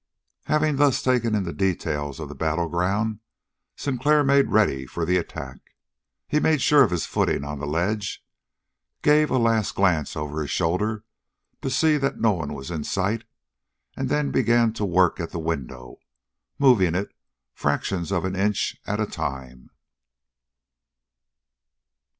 Having thus taken in the details of the battle ground, Sinclair made ready for the attack. He made sure of his footing on the ledge, gave a last glance over his shoulder to see that no one was in sight, and then began to work at the window, moving it fractions of an inch at a time.